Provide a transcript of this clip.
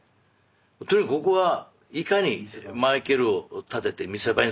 とにかくここはいかにマイケルを立てて見せ場にするかでしょうと。